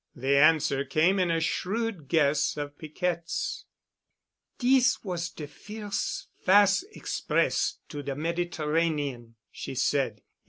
The answer came in a shrewd guess of Piquette's. "Dis was de firs' fas' express to de Mediterranean," she said.